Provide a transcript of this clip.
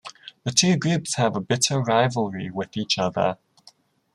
The two groups have a bitter rivalry with each other.